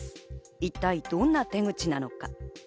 一体どんな手口なのか。